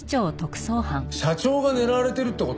社長が狙われてるって事？